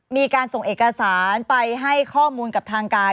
มีการส่งเอกสารไปให้ข้อมูลกับทางการ